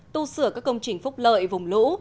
tu sửa các công trình phúc lợi vùng lũ